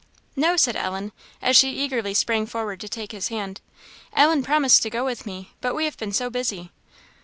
"No," said Ellen, as she eagerly sprang forward to take his hand; "Ellen promised to go with me, but we have been so busy."